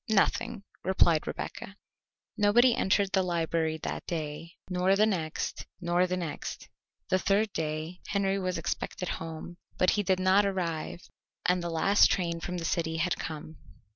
"Nothing," replied Rebecca. Nobody entered the library that day, nor the next, nor the next. The third day Henry was expected home, but he did not arrive and the last train from the city had come.